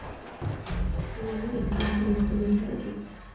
El año siguiente la historia se repitió.